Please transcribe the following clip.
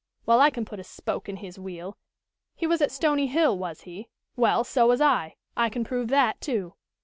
Well, I can put a spoke in his wheel. He was at Stony Hill, was he? Well, so was I. I can prove that, too."